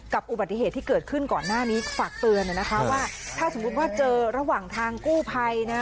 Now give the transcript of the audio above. อุบัติเหตุที่เกิดขึ้นก่อนหน้านี้ฝากเตือนนะคะว่าถ้าสมมุติว่าเจอระหว่างทางกู้ภัยนะ